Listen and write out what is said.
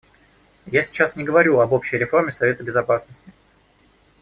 Я сейчас не говорю об общей реформе Совета Безопасности.